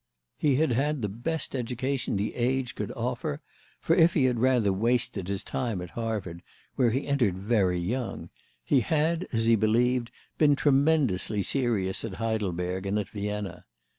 He had had the best education the age could offer, for if he had rather wasted his time at Harvard, where he entered very young, he had, as he believed, been tremendously serious at Heidelberg and at Vienna.